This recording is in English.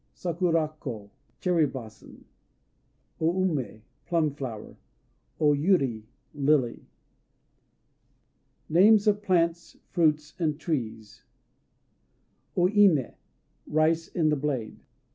Sakurako "Cherryblossom." O Umé "Plumflower." O Yuri "Lily." NAMES OF PLANTS, FRUITS, AND TREES O Iné "Rice in the blade."